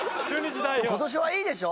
今年はいいでしょ？